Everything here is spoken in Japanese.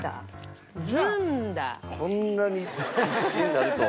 こんなに必死になるとは。